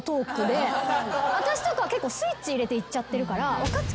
私とか結構スイッチ入れて行っちゃってるから。